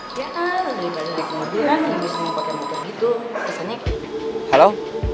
ya kan lebih baik lagi ke mobil kan yang bisa pake motor gitu